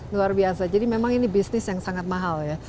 luar biasa jadi memang ini bisnis yang sangat mahal ya